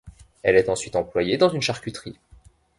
Elle est ensuite employée dans une charcuterie.